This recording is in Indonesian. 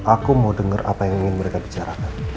aku mau dengar apa yang ingin mereka bicarakan